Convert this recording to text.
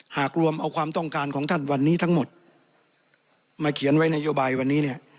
หากรวมเอาความต้องการของท่านวันนี้ทั้งหมดมาเขียนไว้นโยบายวันนี้เนี่ย